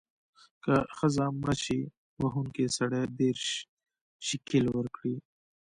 که ښځه مړه شي، وهونکی سړی دیرش شِکِل ورکړي.